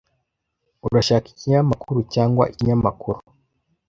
Urashaka ikinyamakuru cyangwa ikinyamakuru?